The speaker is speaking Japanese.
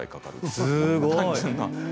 すごい。